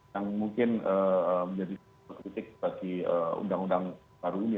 yang mungkin menjadi sebuah kritik bagi undang undang baru ini